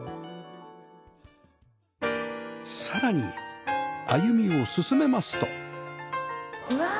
さらに歩みを進めますとうわ！